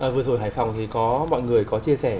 vừa rồi hải phòng thì có mọi người có chia sẻ